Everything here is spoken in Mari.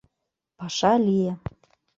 Паша лие...